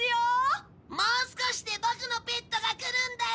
もう少しでボクのペットが来るんだよ！